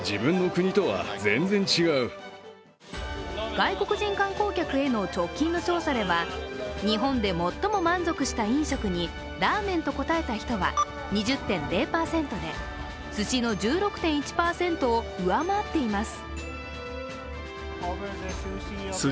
外国人観光客への直近の調査では日本で最も満足した飲食にラーメンと答えた人は２０．０％で、すしの１６．１％を上回っています。